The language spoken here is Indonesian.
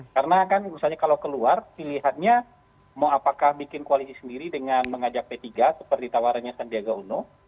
karena kan misalnya kalau keluar pilihannya mau apakah bikin koalisi sendiri dengan mengajak p tiga seperti tawarannya sandiaga uno